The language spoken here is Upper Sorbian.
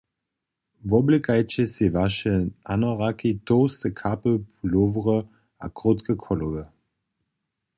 Woblěkajće sej waše anoraki, tołste kapy, pulowry a krótke cholowy!